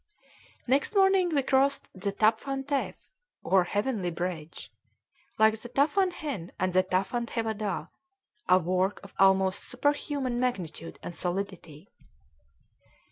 Next morning we crossed the Taphan Teph, or Heavenly Bridge, like the Taphan Hin and the Taphan Thevadah a work of almost superhuman magnitude and solidity.